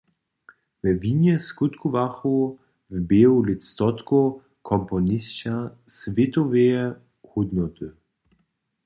We Wienje skutkowachu w běhu lětstotkow komponisća swětoweje hódnoty.